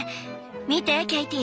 見てケイティ。